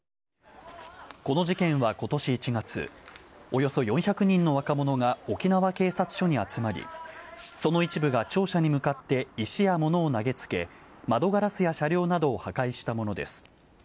この事件は今年１月およそ４００人の若者が沖縄警察署に集まりその一部が庁舎に向かって石や物を投げつけ窓ガラスや車両などを破壊したものです。